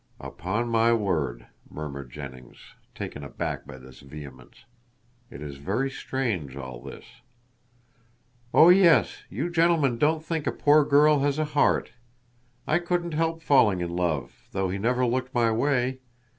"Upon my word," murmured Jennings, taken aback by this vehemence, "it is very strange all this." "Oh, yes, you gentlemen don't think a poor girl has a heart. I couldn't help falling in love, though he never looked my way.